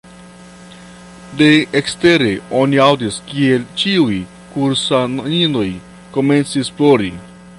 De ekstere oni aŭdis kiel ĉiuj kursaninoj komencis plori.